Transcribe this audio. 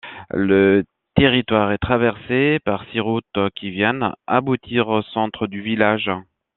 Le territoire est traversé par six routes qui viennent aboutir au centre du village.